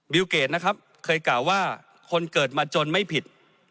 เกรดนะครับเคยกล่าวว่าคนเกิดมาจนไม่ผิด